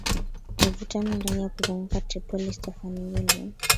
mvutano ndani na kuzunguka Tripoli Stephanie Williams